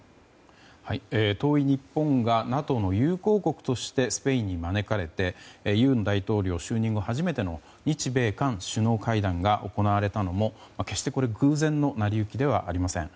遠い日本がＮＡＴＯの友好国としてスペインに招かれて尹大統領就任後初めての日米韓首脳会談が行われたのも決して偶然の成り行きではありません。